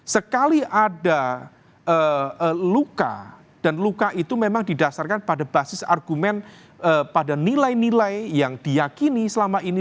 sekali ada luka dan luka itu memang didasarkan pada basis argumen pada nilai nilai yang diakini selama ini